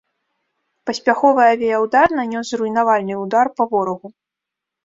Паспяховы авіяўдар нанёс зруйнавальны ўдар па ворагу.